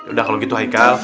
udah kalau gitu haikal